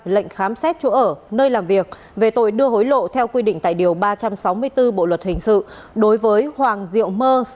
lệnh khám xét chỗ ở nơi làm việc về tội đưa hối lộ theo quy định tại điều ba trăm sáu mươi bốn bộ luật hình sự